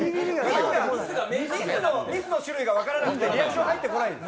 ミスの種類が分からなくて、リアクションが入ってこないんです。